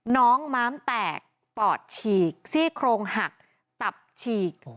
ม้ามแตกปอดฉีกซี่โครงหักตับฉีก